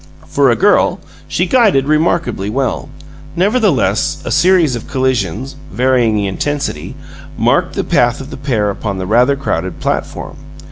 For a girl, she "guided" remarkably well; nevertheless, a series of collisions, varying in intensity, marked the path of the pair upon the rather crowded platform.